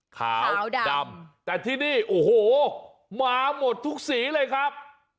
ขาวดำแต่ที่นี่โอ้โหมาหมดทุกสีเลยครับ